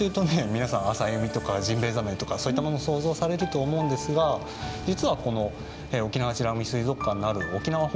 皆さん浅海とかジンベエザメとかそういったものを想像されると思うんですが実はこの沖縄美ら海水族館のある沖縄本島はですね